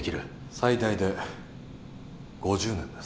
最大で５０年です